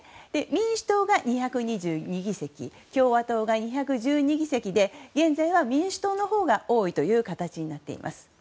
民主党が２２２議席共和党が２１２議席で現在は民主党のほうが多いという形になっています。